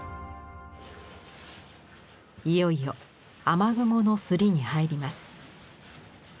いよいよ雨雲の摺りに入ります。